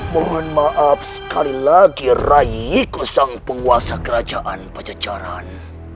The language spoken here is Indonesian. mohon maaf sekali lagi rayiku sang penguasa kerajaan pancacaran